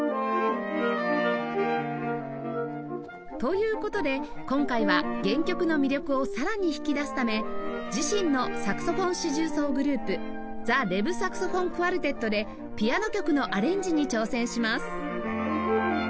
という事で今回は原曲の魅力をさらに引き出すため自身のサクソフォン四重奏グループザ・レヴ・サクソフォン・クヮルテットでピアノ曲のアレンジに挑戦します